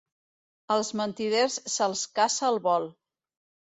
Els mentiders se'ls caça al vol.